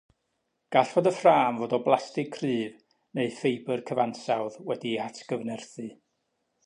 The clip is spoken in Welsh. Gall y ffrâm fod o blastig cryf neu ffibr cyfansawdd wedi'i atgyfnerthu.